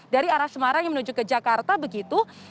dari arah semarang yang menuju ke jakarta begitu